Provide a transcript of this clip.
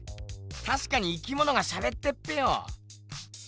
たしかに生きものがしゃべってっぺよ。